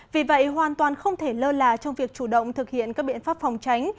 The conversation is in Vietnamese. vì vậy hoàn toàn không thể lơ là trong việc chủ động thực hiện các biện pháp phòng tránh